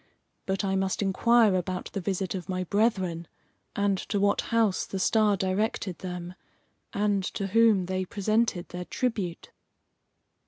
But I must inquire about the visit of my brethren, and to what house the star directed them, and to whom they presented their tribute."